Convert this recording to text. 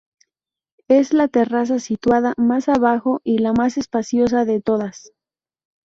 Es la terraza situada más abajo y la más espaciosa de todas.